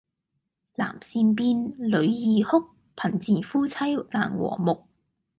男善變，女易哭，貧賤夫妻難和睦